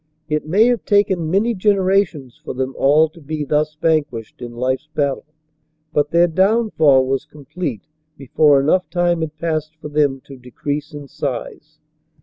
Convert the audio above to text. It may have taken many generations for them all to be thus vanquished in life's battle, but their downfall was complete before enough time had passed for them to decrease in size.